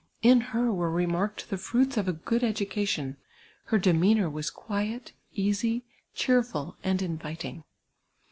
In her were remarked the fruits of a cjood education; her demeanour was quiet, easy, cheerful, and inviting.